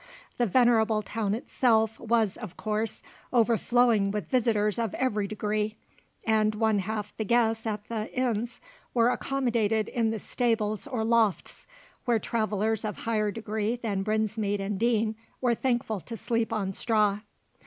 The venerable town itself was of course overflowing with visitors of every degree, and one half the guests at the inns were accommodated in the stables or lofts, where travellers of higher degree than Brinsmead and Deane were thankful to sleep on straw.